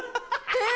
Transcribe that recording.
えっ！